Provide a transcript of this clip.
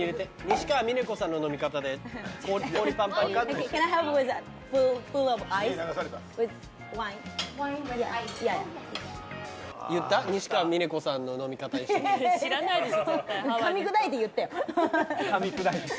支川峰子さんの飲み方します。